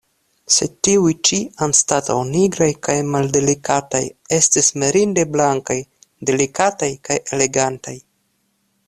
Sed tiuj ĉi, anstataŭ nigraj kaj maldelikataj, estis mirinde blankaj, delikataj kaj elegantaj.